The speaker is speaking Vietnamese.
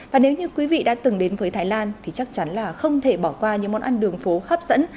và nếu như quý vị đã từng đến với thái lan thì chắc chắn là không thể bỏ qua những món ăn đường phố hấp dẫn